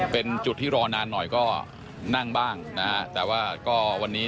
เป็นจุดที่รอนานหน่อยก็นั่งบ้างนะฮะแต่ว่าก็วันนี้